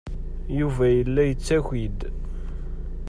Yuba yella yettaki-d.